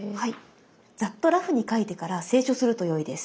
ざっとラフに描いてから清書するとよいです。